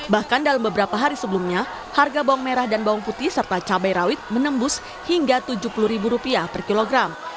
bahkan dalam beberapa hari sebelumnya harga bawang merah dan bawang putih serta cabai rawit menembus hingga rp tujuh puluh per kilogram